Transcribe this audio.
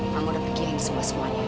mama udah pikirin semua semuanya